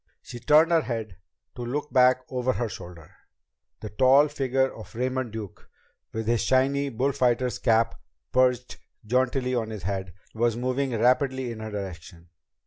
She turned her head to look back over her shoulder. The tall figure of Raymond Duke, with his shiny bullfighter's cap perched jauntily on his head, was moving rapidly in her direction.